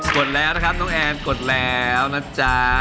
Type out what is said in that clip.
ดแล้วนะครับน้องแอนกดแล้วนะจ๊ะ